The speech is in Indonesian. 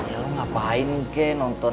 ya lo ngapain kek